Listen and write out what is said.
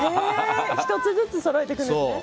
１つずつそろえていくんですね。